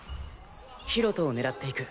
博人を狙っていく。